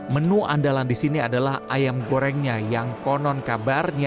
menu andalan di sini adalah ayam gorengnya yang konon kabarnya